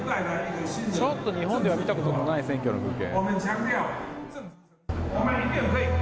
ちょっと日本では見たことのない選挙の風景。